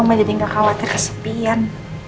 emang jadi gak khawatir kesepian